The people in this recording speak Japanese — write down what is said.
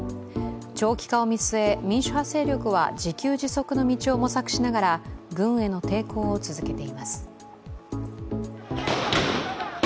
長期化を見据え、民主派勢力は自給自足の道を模索しながら軍への抵抗を続けています。